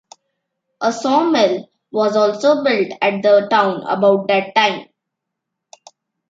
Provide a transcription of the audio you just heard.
A sawmill was also built at the town about that time.